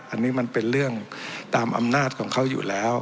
อันนี้มันเป็นเรื่องตามอำนาจของเขาอยู่แล้ว